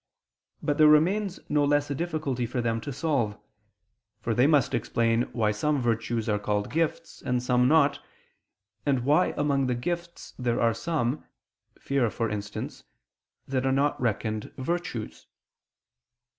But there remains no less a difficulty for them to solve; for they must explain why some virtues are called gifts and some not; and why among the gifts there are some, fear, for instance, that are not reckoned virtues.